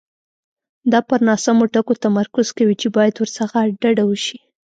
دا پر ناسمو ټکو تمرکز کوي چې باید ورڅخه ډډه وشي.